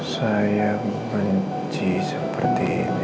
saya benci seperti ini